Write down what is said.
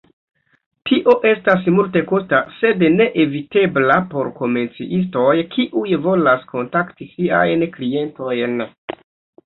Tio estas multekosta, sed neevitebla por komercistoj kiuj volas kontakti siajn klientojn.